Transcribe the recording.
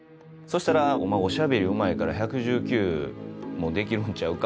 したら「お前おしゃべりうまいから１１９もできるんちゃうか？」